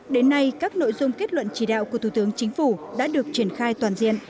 đến nay các nội dung kết luận chỉ đạo của thủ tướng chính phủ đã được triển khai toàn diện